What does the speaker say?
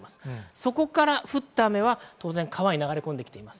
そこから降った雨は川に流れ込んできています。